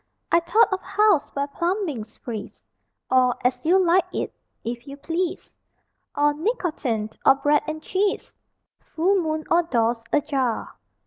I thought of "House Where Plumbings Freeze," Or "As You Like it," "If You Please," Or "Nicotine" or "Bread and Cheese," "Full Moon" or "Doors Ajar."